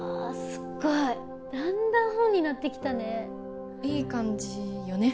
すっごいだんだん本になってきたねいい感じよね？